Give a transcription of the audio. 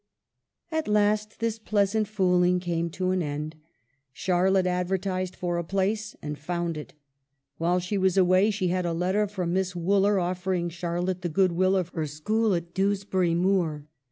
At last this pleasant fooling came to an end. Charlotte advertised for a place, and found it. While she was away she had a letter from Miss Wooler, offering Charlotte the good will of her school at Dewsbury Moor.